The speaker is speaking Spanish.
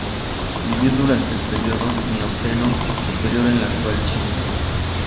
Vivió durante el período Mioceno Superior en la actual China.